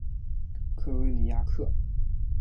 科维尼亚克。